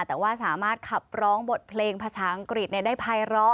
แต่ว่าสามารถขับร้องบทเพลงภาษาอังกฤษได้ภายร้อ